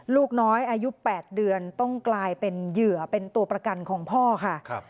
ลูกน้อยอายุ๘เดือนต้องกลายเป็นเหยื่อเป็นตัวประกันของพ่อค่ะ